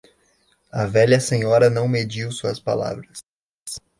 A velha senhora não mediu suas palavras.